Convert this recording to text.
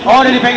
oh udah dipegang